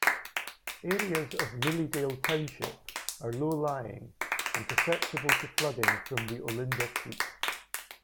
Areas of Lilydale township are low-lying and susceptible to flooding from the Olinda Creek.